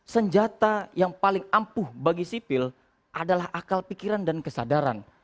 senjata yang paling ampuh bagi sipil adalah akal pikiran dan kesadaran